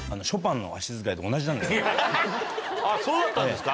アハハそうだったんですか。